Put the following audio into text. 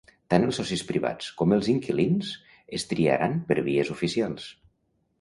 Tant els socis privats com els inquilins es triaran per vies oficials.